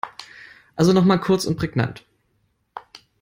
Also noch mal kurz und prägnant.